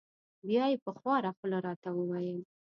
بیا یې په خواره خوله را ته و ویل: